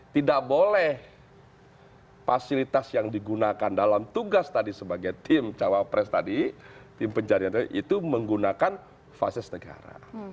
tidak boleh fasilitas yang digunakan dalam tugas tadi sebagai tim cawapres tadi tim pencarian itu menggunakan fases negara